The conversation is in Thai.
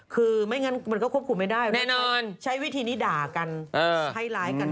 คือไม่งั้นมันก็ควบคุณไม่ได้ใช้วิธีนี้ด่ากันใช้ไลน์กันไม่ได้